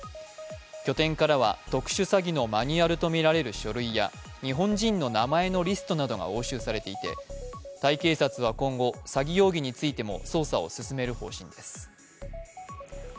拠点からは特殊詐欺のマニュアルとみられる書類や日本人の名前のリストなどが押収されていてタイ警察は今後、詐欺容疑についても捜査を進める方針です。